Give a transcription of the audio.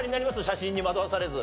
写真に惑わされず。